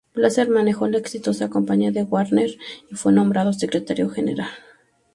Blazer manejó la exitosa campaña de Warner y fue nombrado secretario general.